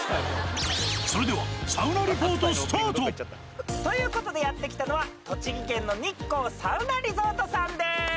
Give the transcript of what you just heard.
それでは、サウナリポート、ということでやって来たのは、栃木県の日光サウナリゾートさんです。